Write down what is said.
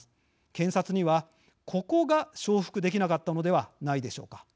検察にはここが承服できなかったのではないでしょうか。